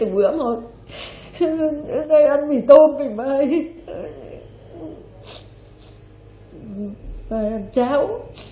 bài ăn cháo